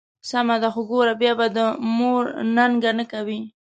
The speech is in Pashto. سمه ده، خو ګوره بیا به د مور ننګه نه کوې.